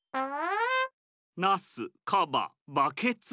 ナスカババケツ。